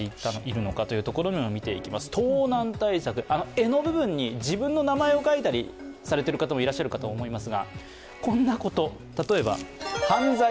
柄の部分に自分の名前を書いたりする方もいらっしゃいますと思います。